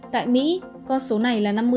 tại mỹ con số này là năm mươi